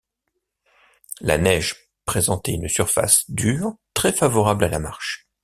La neige présentait une surface dure, très favorable à la marche.